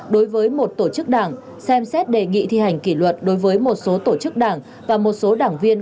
đối với một tổ chức đảng xem xét đề nghị thi hành kỷ luật đối với một số tổ chức đảng và một số đảng viên